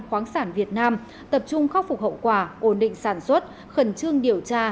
khoáng sản việt nam tập trung khắc phục hậu quả ổn định sản xuất khẩn trương điều tra